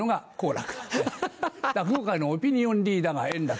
落語会のオピニオンリーダーが円楽。